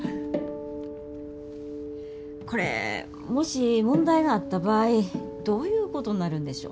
これもし問題があった場合どういうことになるんでしょう？